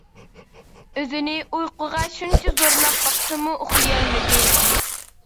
ئۆزىنى ئۇيقۇغا شۇنچە زورلاپ باقسىمۇ ئۇخلىيالمىدى.